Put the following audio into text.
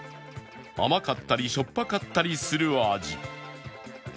甘かったりしょっぱかったりする味